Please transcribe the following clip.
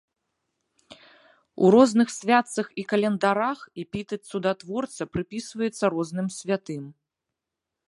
У розных святцах і календарах эпітэт цудатворца прыпісваецца розным святым.